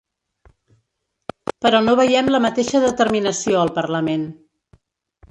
Però no veiem la mateixa determinació al parlament.